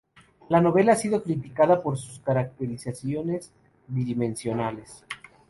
La novela ha sido criticada por sus caracterizaciones bidimensionales.